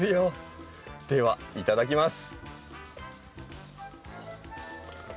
ではいただきます！